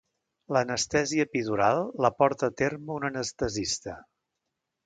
L’anestèsia epidural la porta a terme un anestesista.